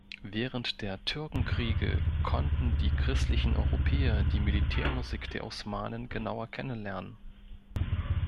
Während der Türkenkriege konnten die christlichen Europäer die Militärmusik der Osmanen genauer kennenlernen.